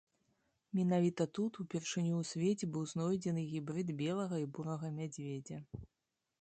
Менавіта тут упершыню ў свеце быў знойдзены гібрыд белага і бурага мядзведзя.